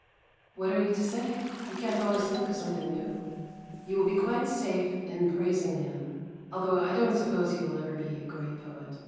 What are you to say? you can't always think of something new. You will be quite safe in praising him, though I don't suppose he will ever be a great poet.